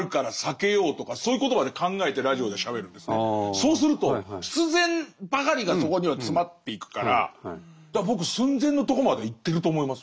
そうすると必然ばかりがそこには詰まっていくからだから僕寸前のとこまではいってると思います。